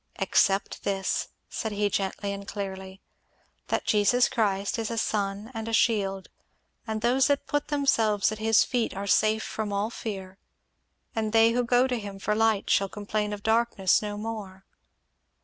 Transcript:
"Except this," said he, gently and clearly, "that Jesus Christ is a sun and a shield; and those that put themselves at his feet are safe from all fear, and they who go to him for light shall complain of darkness no more."